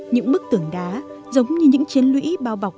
những bức tường đá giống như những chiến lũy bao bọc